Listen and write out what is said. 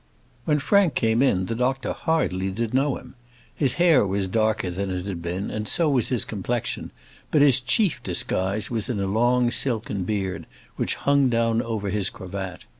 When Frank came in, the doctor hardly did know him. His hair was darker than it had been, and so was his complexion; but his chief disguise was in a long silken beard, which hung down over his cravat.